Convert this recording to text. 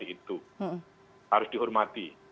itu harus dihormati